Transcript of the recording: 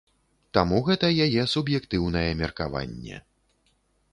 Таму гэта яе суб'ектыўнае меркаванне.